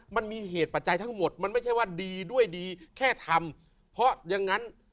มันมีเหตุปัจจัยทั้งหมดมันไม่ใช่ว่าดีด้วยดีแค่ทำเพราะอย่างนั้น